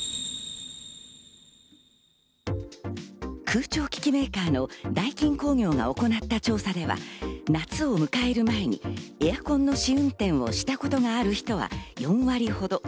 空調機器メーカーのダイキン工業が行った調査では、夏を迎える前にエアコンの試運転をしたことがある人は４割ほど。